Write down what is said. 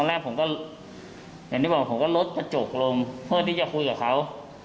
ใช่เขาก็ลงรถมาเลยตอนแรกผมก็ลดกระจกลงเพื่อที่จะคุยกับเขา